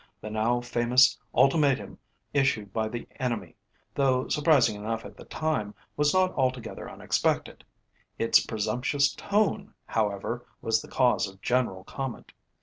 The now famous Ultimatum issued by the enemy, though surprising enough at the time, was not altogether unexpected. Its presumptuous tone, however, was the cause of general comment.